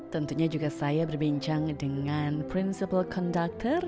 tentunya juga saya berbincang dengan principle conductor